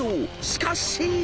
しかし］